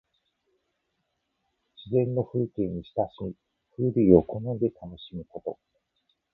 自然の風景に親しみ、風流を好んで楽しむこと。